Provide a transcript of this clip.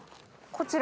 こちら？